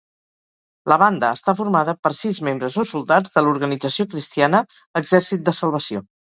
La banda està formada per sis membres o soldats de l'organització cristiana Exèrcit de Salvació.